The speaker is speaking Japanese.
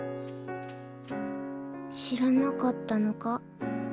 知らなかったのか？